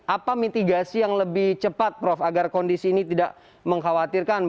apa mitigasi yang lebih cepat prof agar kondisi ini tidak mengkhawatirkan